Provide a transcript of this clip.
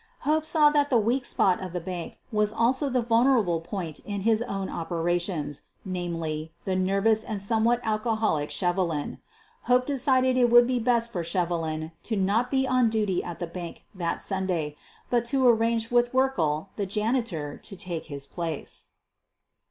Hope saw that the weak spot of the bank was also the vulnerable point in his own operations, namely, the nervous and somewhat alcoholic Sheve lin. Hope decided it would be best for Shevelin to not be on duty at the bank that Sunday, but to ar range with Werkle, the janitor, to take his place.